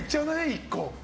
１個。